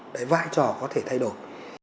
đấy vai trò có thể thay đổi